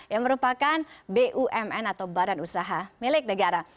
yang merupakan bumn atau badan usaha milik negara